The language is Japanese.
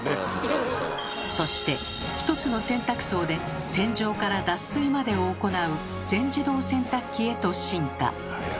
そして１つの洗濯槽で洗浄から脱水までを行う「全自動洗濯機」へと進化。